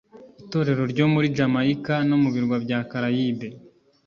itorero ryo muri jamayika no mu birwa bya carayibe